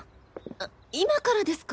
あ今からですか？